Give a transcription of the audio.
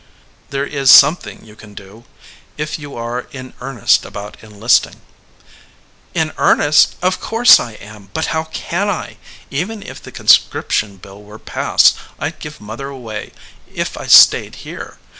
"There is something you can do, if you are in earnest about enlisting." "In earnest! Of course I am, but how can I? Even if the conscription bill were passed, I d give mother away if I stayed here.